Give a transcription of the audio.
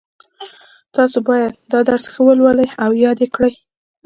تاسو باید دا درس ښه ولولئ او یاد یې کړئ